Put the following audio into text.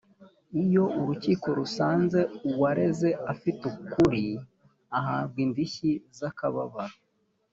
iyo urukiko rusanze uwareze afite ukuri ahabwa indishyi z’akababaro